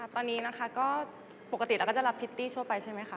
ตอนนี้นะคะก็ปกติเราก็จะรับพิตตี้ทั่วไปใช่ไหมคะ